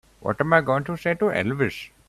What am I going to say to Elvis?